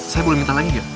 saya boleh minta lagi ya